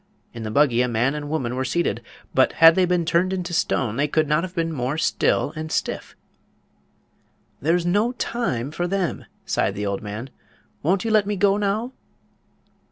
In the buggy a man and a woman were seated; but had they been turned into stone they could not have been more still and stiff. "There's no Time for them!" sighed the old man. "Won't you let me go now?"